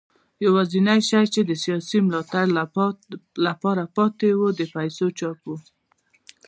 یوازینی شی چې د سیاسي ملاتړ لپاره پاتې و د پیسو چاپ و.